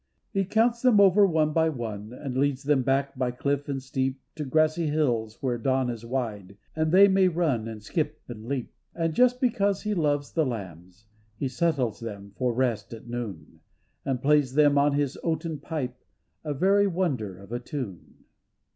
He counts them over one by one, And leads them back by cliff and steep. To grassy hills where dawn is wide, And they may run and skip and leap. And just because he loves the lambs He settles tihem for rest at noon, And plays them on his oaten pipe The very wonder of a tune.